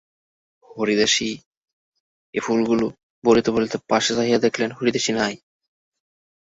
হরিদাসী, এ ফুলগুলো— বলিতে বলিতে পাশে চাহিয়া দেখিলেন, হরিদাসী নাই।